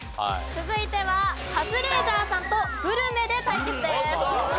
続いてはカズレーザーさんとグルメで対決です。